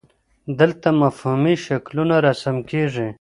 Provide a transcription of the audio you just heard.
دلته مفهومي شکلونه رسم کیږي.